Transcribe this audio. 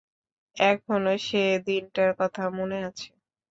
এখনও সে দিনটার কথা মনে আছে!